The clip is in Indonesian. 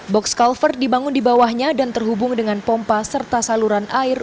box culver dibangun di bawahnya dan terhubung dengan pompa serta saluran air